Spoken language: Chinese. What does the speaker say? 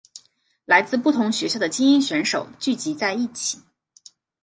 来自不同学校的菁英选手聚集在一起。